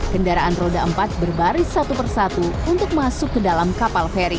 kendaraan roda empat berbaris satu persatu untuk masuk ke dalam kapal feri